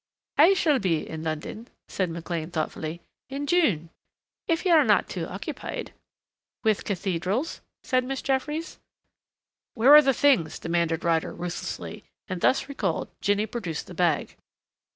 "I shall be in London," said McLean thoughtfully, "in June.... If you are not too occupied " "With cathedrals?" said Miss Jeffries. "Where are the things?" demanded Ryder ruthlessly, and thus recalled, Jinny produced the bag.